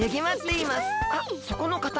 あっそこのかた。